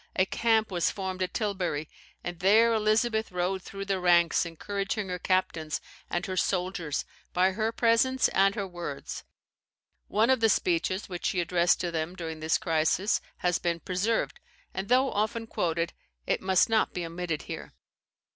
A camp was formed at Tilbury; and there Elizabeth rode through the ranks, encouraging her captains and her soldiers by her presence and her words. One of the speeches which she addressed to them during this crisis has been preserved; and, though often quoted, it must not be omitted here.